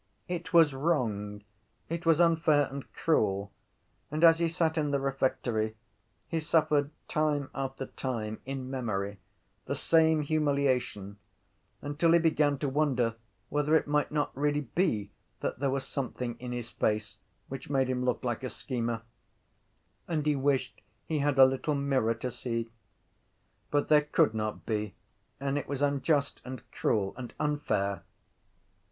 It was wrong; it was unfair and cruel; and, as he sat in the refectory, he suffered time after time in memory the same humiliation until he began to wonder whether it might not really be that there was something in his face which made him look like a schemer and he wished he had a little mirror to see. But there could not be; and it was unjust and cruel and unfair.